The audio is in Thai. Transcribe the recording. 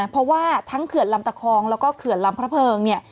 เพราะว่าทั้งเขื่อนลำตะคองแล้วก็เขื่อนลำพระเพิงเนี่ย